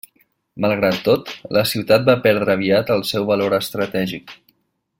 Malgrat tot, la ciutat va perdre aviat el seu valor estratègic.